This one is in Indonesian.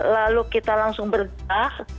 lalu kita langsung bergerak